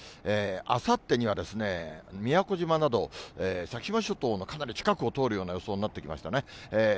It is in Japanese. あさってには宮古島など先島諸島のかなり近くを通るような予想になってきましたね。